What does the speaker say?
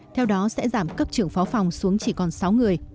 theo đó sẽ giảm cấp trưởng phó phòng xuống chỉ còn sáu người